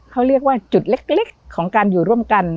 เขาเรียกว่าจุดเล็กของการอยู่ร่วมกัน